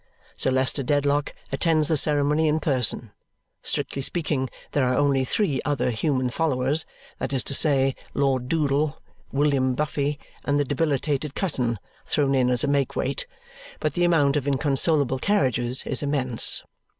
Sir Leicester Dedlock attends the ceremony in person; strictly speaking, there are only three other human followers, that is to say, Lord Doodle, William Buffy, and the debilitated cousin (thrown in as a make weight), but the amount of inconsolable carriages is immense.